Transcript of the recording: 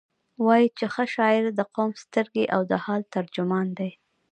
وایي چې ښه شاعر د قوم سترګې او د حال ترجمان دی.